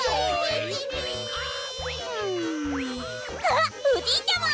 あっおじいちゃま！